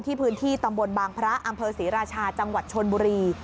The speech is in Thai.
พื้นที่ตำบลบางพระอำเภอศรีราชาจังหวัดชนบุรี